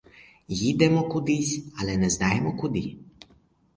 Їдемо кудись, але не знаємо куди.